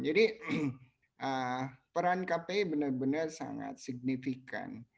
jadi peran kpi benar benar sangat signifikan